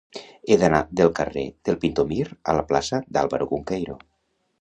He d'anar del carrer del Pintor Mir a la plaça d'Álvaro Cunqueiro.